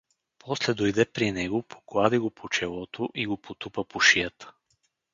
После дойде при него, поглади го по челото и го потупа по шията.